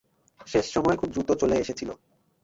শেষ সময় খুব দ্রুত চলে এসেছিল।